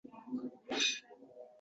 Nahot go’zal uchun faqat, faqat dod!..